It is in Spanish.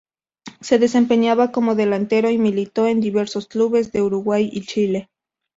Se desempeñaba como delantero y militó en diversos clubes de Uruguay y Chile.